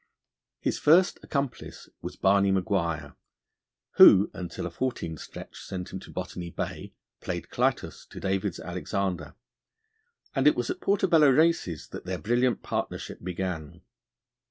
His first accomplice was Barney M'Guire, who until a fourteen stretch sent him to Botany Bay played Clytus to David's Alexander, and it was at Portobello Races that their brilliant partnership began.